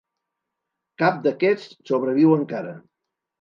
Cap d'aquests sobreviu encara.